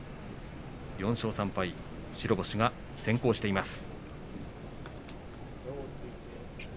４勝３敗、白星が先行しています。